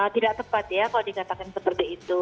tidak tepat ya kalau dikatakan seperti itu